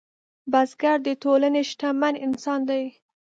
بزګر د ټولنې شتمن انسان دی